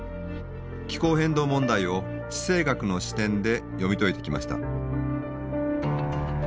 気候変動問題を地政学の視点で読み解いてきました。